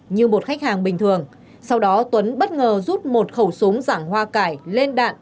như một khách hàng bình thường sau đó tuấn bất ngờ rút một khẩu súng dạng hoa cải lên đạn